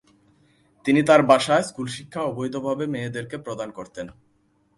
তিনি তার বাসায় স্কুল শিক্ষা অবৈধভাবে মেয়েদেরকে প্রদান করতেন।